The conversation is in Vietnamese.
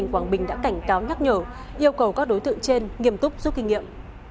quảng bình đã cảnh cáo nhắc nhở yêu cầu các đối tượng trên nghiêm túc rút kinh nghiệm